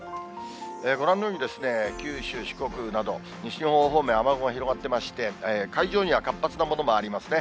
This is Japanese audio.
ご覧のように、九州、四国など、西日本方面、雨雲が広がってまして、海上には活発なものもありますね。